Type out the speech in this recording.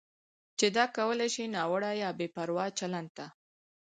چې دا کولی شي ناوړه یا بې پروا چلند ته